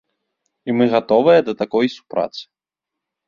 І мы гатовыя да такой супрацы.